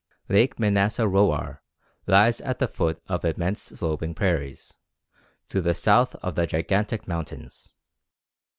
Lake Manasarowar lies at the foot of immense sloping prairies, to the south of the gigantic mountains.